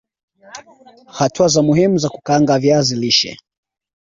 Hatua za muhumu za kukaanga viazi lishe